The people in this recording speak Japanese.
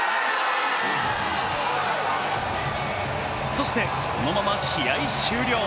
そして、このまま試合終了。